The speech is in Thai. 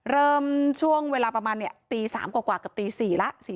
เริ่มช่วงเวลาประมาณตี๓กว่าเกือบตี๔แล้ว